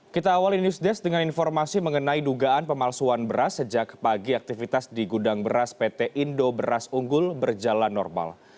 kita awali news desk dengan informasi mengenai dugaan pemalsuan beras sejak pagi aktivitas di gudang beras pt indo beras unggul berjalan normal